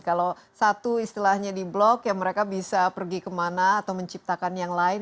kalau satu istilahnya di blok ya mereka bisa pergi kemana atau menciptakan yang lain